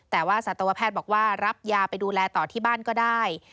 แต่ว่าสัตวแพทย์บอกว่ารับยาไปดูแลต่อที่บ้านก็ได้